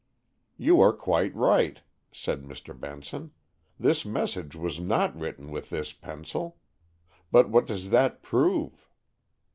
"You are quite right," said Mr. Benson; "this message was not written with this pencil. But what does that prove?"